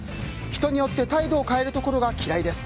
人によって態度を変えるところが嫌いです。